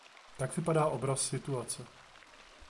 Tak vypadá obraz situace.